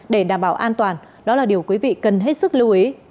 để đảm bảo an toàn đó là điều quý vị cần hết sức lưu ý